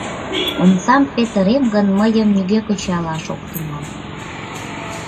Омсам петырем гын, мыйым нигӧ кычалаш ок тӱҥал.